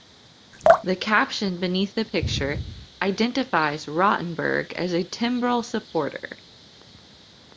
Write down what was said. The caption beneath the picture identifies Rotenberg as a Timbrell supporter.